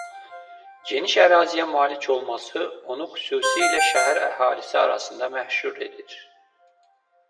Geniş əraziyə malik olması onu xüsusi ilə şəhər əhalisi arasında məşhur edir.